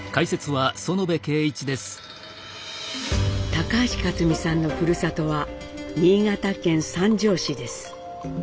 高橋克実さんのふるさとは新潟県三条市です。